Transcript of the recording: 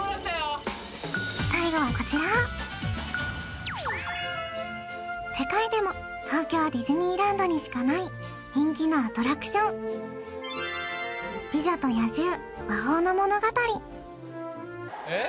最後はこちら世界でも東京ディズニーランドにしかない人気のアトラクション美女と野獣“魔法のものがたり”えっ？